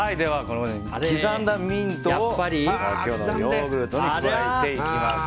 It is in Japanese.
刻んだミントをヨーグルトに加えていきます。